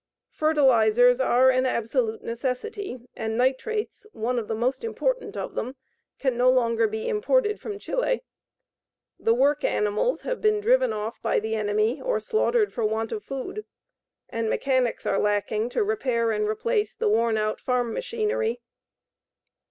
Fertilizers are an absolute necessity, and nitrates, one of the most important of them, can no longer be imported from Chile. The work animals have been driven off by the enemy or slaughtered for want of food, and mechanics are lacking to repair and replace the worn out farm machinery.